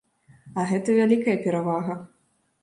А гэта вялікая перавага.